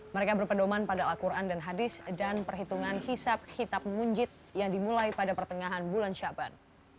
mereka berpedoman pada al quran dan hadis dan perhitungan hisap hitap munjid yang dimulai pada pertengahan bulan syaban